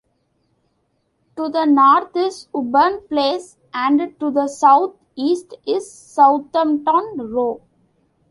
To the north is Woburn Place and to the south-east is Southampton Row.